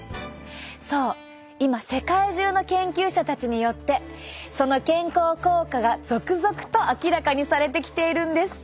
そう今世界中の研究者たちによってその健康効果が続々と明らかにされてきているんです。